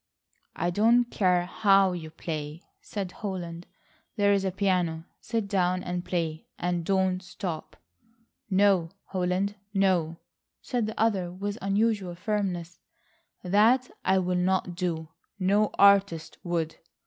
"I don't care how you play," said Holland. "There is a piano. Sit down and play, and don't stop." "No, Holland, no," said the other with unusual firmness; "that I will not do. No artist would.